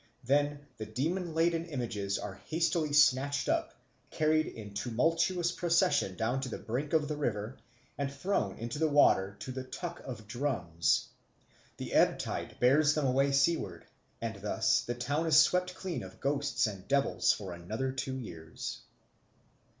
Then the demon laden images are hastily snatched up, carried in tumultuous procession down to the brink of the river, and thrown into the water to the tuck of drums. The ebb tide bears them away seaward, and thus the town is swept clean of ghosts and devils for another two years.